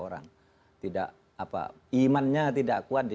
orang tidak apa imannya tidak kuat di